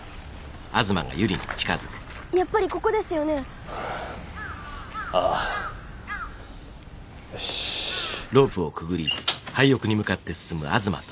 やっぱりここですよねああよし百合ちゃん